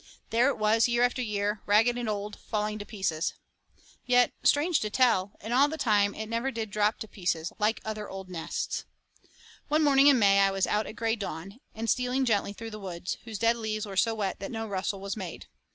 There it was year after year, ragged and old, and falling to pieces. Yet, strange to tell, in all that time it never did drop to pieces, like other old nests. One morning in May I was out at gray dawn, and stealing gently through the woods, whose dead leaves were so wet that no rustle was made.